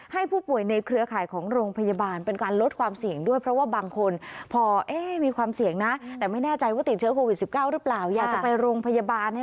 ให้ผู้ป่วยในเครือข่าวของโรงพยาบาลเป็นการลดความเสี่ยงด้วย